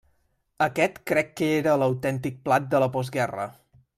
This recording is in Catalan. Aquest crec que era l'autèntic plat de la postguerra.